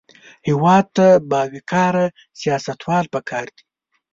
هېواد ته باوقاره سیاستوال پکار دي